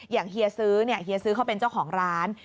เฮียซื้อเนี่ยเฮียซื้อเขาเป็นเจ้าของร้าน